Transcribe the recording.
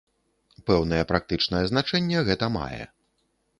Пэўнае практычнае значэнне гэта мае.